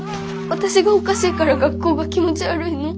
私がおかしいから学校が気持ち悪いの？